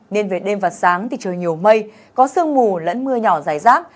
nên về đêm và sáng thì trời nhiều mây có sương mù lẫn mưa nhỏ dài rác